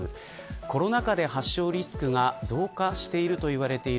コロナ禍で、発症リスクが増加していると言われている